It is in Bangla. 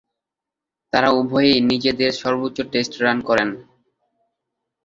তারা উভয়েই নিজেদের সর্বোচ্চ টেস্ট রান করেন।